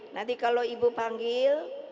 nanti kalau ibu panggil